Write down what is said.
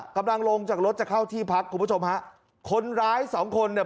กำลังลงจากรถจะเข้าที่พักคุณผู้ชมฮะคนร้ายสองคนเนี่ย